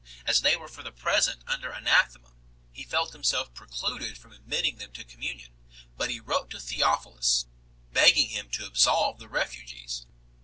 As they were for the present under anathema, he felt himself precluded from admitting them to communion, but he wrote to Theophilus, begging him to absolve the refugees.